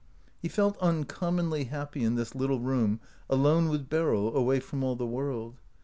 He felt uncommonly happy in this little room alone with Beryl, away from all the world.